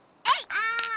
あ！